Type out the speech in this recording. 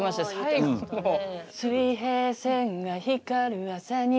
「水平線が光る朝に」